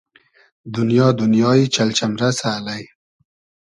دونیا دونیای چئل چئمرئسۂ الݷ